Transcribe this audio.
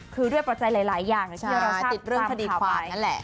คือด้วยปัจจัยหลายอย่างที่เราติดเรื่องคดีความนั่นแหละ